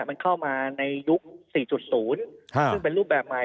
มันเข้ามาในยุค๔๐ซึ่งเป็นรูปแบบใหม่